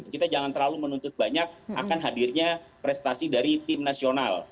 kita jangan terlalu menuntut banyak akan hadirnya prestasi dari tim nasional